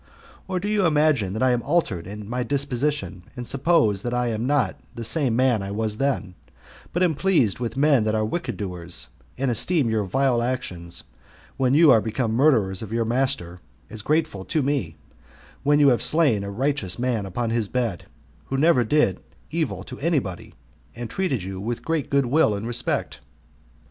Or do you imagine that I am altered in my disposition, and suppose that I am not the same man I then was, but am pleased with men that are wicked doers, and esteem your vile actions, when you are become murderers of your master, as grateful to me, when you have slain a righteous man upon his bed, who never did evil to any body, and treated you with great good will and respect?